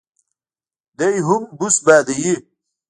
دی هم بوس بادوي.